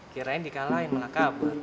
kirain di kalahin malah kabur